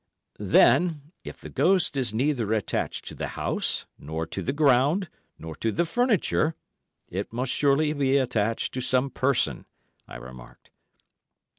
'" "Then, if the ghost is neither attached to the house, nor to the ground, nor to the furniture, it must surely be attached to some person," I remarked.